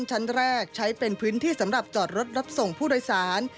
ชั้นแรกใช้เป็นพื้นที่สำหรับจอดรถรับส่งผู้โดยสาร